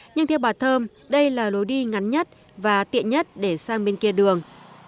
nhưng theo bà thơm đây là lối đi ngắn nhất và tiện nhất để sang bên kia đường